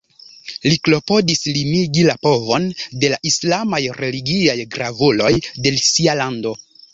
Li klopodis limigi la povon de la islamaj religiaj gravuloj de sia lando.